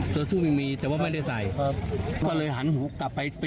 คือฟังลุงแก